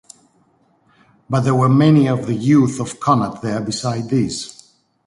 But there were many of the youth of Connacht there besides these.